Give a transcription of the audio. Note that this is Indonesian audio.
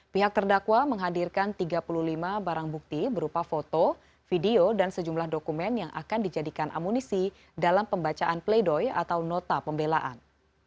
pihak terdakwa menghadirkan tiga puluh lima barang bukti berupa foto video dan sejumlah dokumen yang akan dijadikan amunisi dalam pembacaan pleidoy atau nota pembelaan